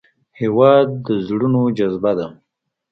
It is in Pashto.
هېواد د زړونو جذبه ده.